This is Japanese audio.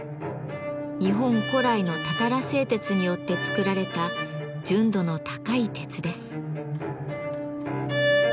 日本古来のたたら製鉄によって作られた純度の高い鉄です。